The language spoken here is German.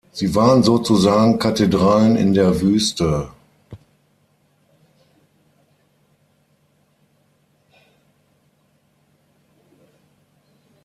Sie waren sozusagen „Kathedralen in der Wüste“.